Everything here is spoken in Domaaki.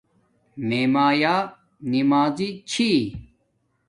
میے مایآ نمازی چھی